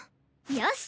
よし！